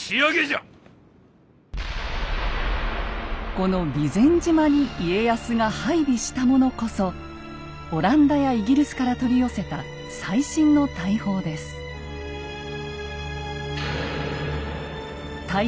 この備前島に家康が配備したものこそオランダやイギリスから取り寄せた最新の大砲です。